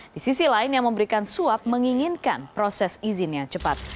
di sisi lain yang memberikan suap menginginkan proses izin yang cepat